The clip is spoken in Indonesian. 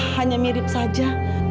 hanya mirip saja